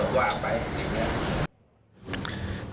ว่าไปอย่างนี้